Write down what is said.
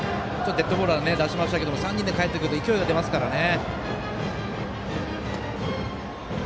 デッドボールは出しましたけど３人でかえってくると勢いが出ますからね。